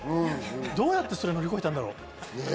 どうやって乗り越えたんだろう？